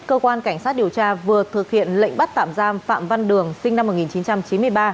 cơ quan cảnh sát điều tra vừa thực hiện lệnh bắt tạm giam phạm văn đường sinh năm một nghìn chín trăm chín mươi ba